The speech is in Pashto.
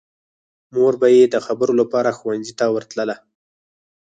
مور به یې د خبرو لپاره ښوونځي ته ورتله